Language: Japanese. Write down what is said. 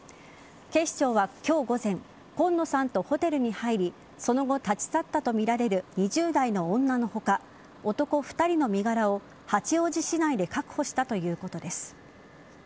警視庁は今日午前今野さんとホテルに入りその後立ち去ったとみられる２０代の女の他男２人の身柄を八王子市内で確保したということです。